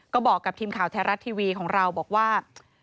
ก็บอกกับทีมข่าวไทยรัฐทีวีของเราบอกว่า